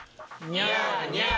ニャーニャー。